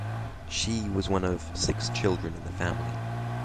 She was one of six children in the family.